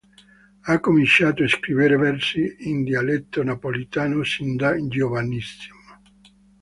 Ha cominciato a scrivere versi in dialetto napoletano sin da giovanissimo.